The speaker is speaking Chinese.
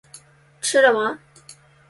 吃了吗